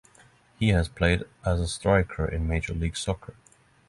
He has played as a striker in Major League Soccer.